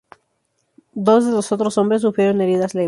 Dos de los otros hombres sufrieron heridas leves.